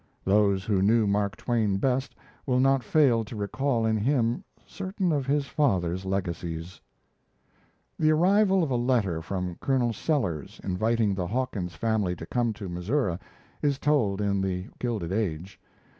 Those who knew Mark Twain best will not fail to recall in him certain of his father's legacies. The arrival of a letter from "Colonel Sellers" inviting the Hawkins family to come to Missouri is told in The Gilded Age.